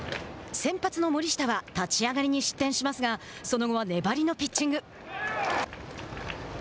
先発の森下は立ち上がりに失点しますがその後は粘りのピッチング。